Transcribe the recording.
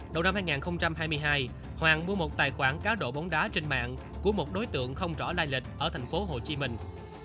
đầu năm hai nghìn hai mươi hai hoàng mua một tài khoản cá độ bóng đá trên mạng của một đối tượng không rõ lai lịch ở thành phố hồ chí minh